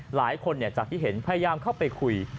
หลายคนจากที่เห็นพยายามเข้าไปคุย